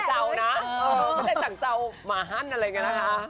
แต่ไม่ใช่จันเจ้ามาหาญังนะคะ